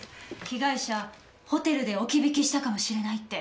被害者ホテルで置き引きしたかもしれないって。